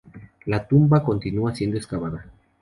La tumba continúa siendo excavada.